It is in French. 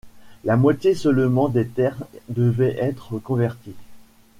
La moitié seulement des terres devait être convertie.